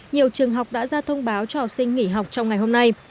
nhiều trường học đã ra thông báo cho học sinh nghỉ học trong ngày hôm nay